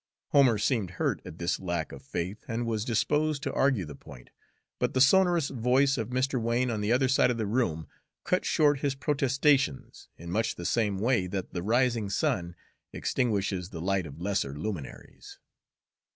Homer seemed hurt at this lack of faith, and was disposed to argue the point, but the sonorous voice of Mr. Wain on the other side of the room cut short his protestations, in much the same way that the rising sun extinguishes the light of lesser luminaries.